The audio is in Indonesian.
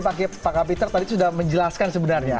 jadi pak amitra tadi sudah menjelaskan sebenarnya